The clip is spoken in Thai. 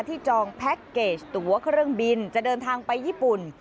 จองแพ็คเกจตัวเครื่องบินจะเดินทางไปญี่ปุ่น